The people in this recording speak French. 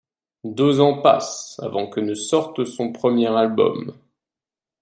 Deux ans passent avant que ne sorte son premier album.